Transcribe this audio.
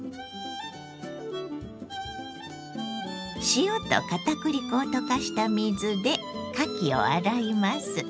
塩と片栗粉を溶かした水でかきを洗います。